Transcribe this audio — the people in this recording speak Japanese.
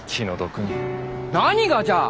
何がじゃ！